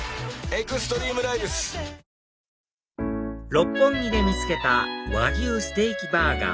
六本木で見つけた和牛ステーキバーガー